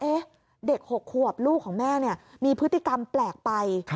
เด็ก๖ขวบลูกของแม่เนี่ยมีพฤติกรรมแปลกไป